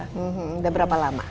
sudah berapa lama